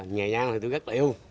nhà nhang thì tôi rất yêu